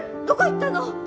どこ行ったの！？